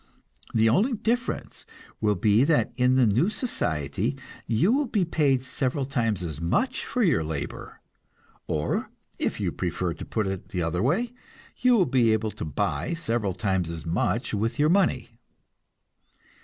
The only difference will be that in the new society you will be paid several times as much for your labor; or, if you prefer to put it the other way, you will be able to buy several times as much with your money.